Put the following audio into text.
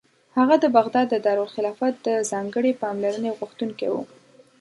هغه د بغداد د دارالخلافت د ځانګړې پاملرنې غوښتونکی و.